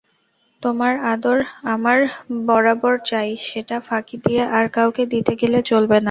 তোমার আদর আমার বরাবর চাই–সেটা ফাঁকি দিয়ে আর কাউকে দিতে গেলে চলবে না।